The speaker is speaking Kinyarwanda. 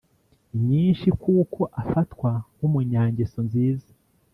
nyinshi kuko afatwa nk’umunyangeso nziza